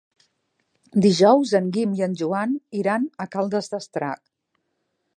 Dijous en Guim i en Joan iran a Caldes d'Estrac.